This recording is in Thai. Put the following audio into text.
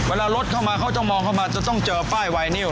เวลารถเข้ามาเขาจะมองเข้ามาจะต้องเจอป้ายไวนิว